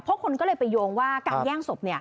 เพราะคนก็เลยไปโยงว่าการแย่งศพ